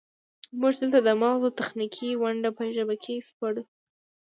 موږ دلته د مغزو تخنیکي ونډه په ژبه کې سپړو